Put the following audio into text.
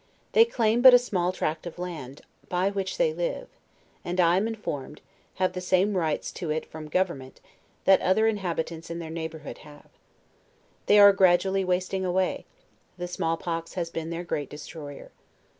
They claim but a small tract of land, on which they live, and I am informed,, have the same rights to it from government, that other inhabitants in their neighbor hood have. They are gradually wasting away; the small pox has been their great destroyer.